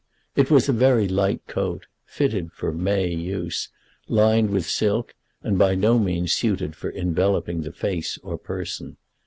It was a very light coat, fitted for May use, lined with silk, and by no means suited for enveloping the face or person.